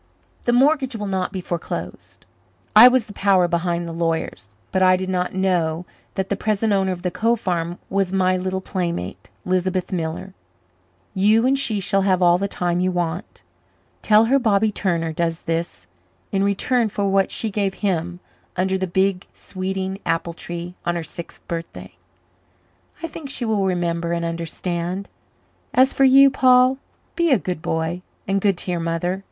The mortgage will not be foreclosed. I was the power behind the lawyers, but I did not know that the present owner of the Cove farm was my little playmate, Lisbeth Miller. You and she shall have all the time you want. Tell her Bobby Turner does this in return for what she gave him under the big sweeting apple tree on her sixth birthday. I think she will remember and understand. As for you, Paul, be a good boy and good to your mother.